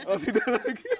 oh tidak lagi